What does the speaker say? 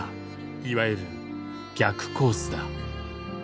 いわゆる「逆コース」だ。